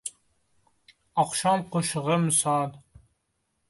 Oqshom qo’shig’i misol;